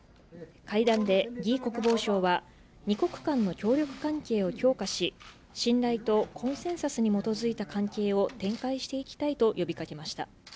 会談で魏国防相は、２国間の協力関係を強化し、信頼とコンセンサスに基づいた関係を展開していきたいと呼びかけました。